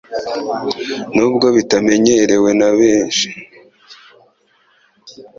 Nubwo bitamenyerewe na benshi